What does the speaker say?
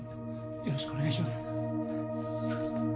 よろしくお願いします。